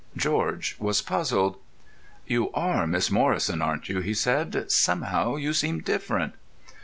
George was puzzled. "You are Miss Morrison, aren't you?" he said. "Somehow you seem different."